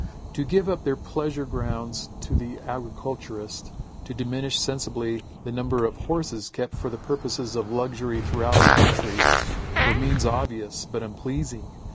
To give up their pleasure grounds to the agriculturist, to diminish sensibly the number of horses kept for the purposes of luxury throughout the country, were means obvious, but unpleasing.